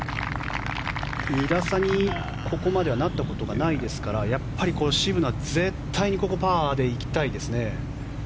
２打差にここまではなったことがないですからやっぱり渋野は絶対にここはパーで行きたいですね。